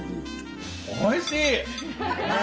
おいしい！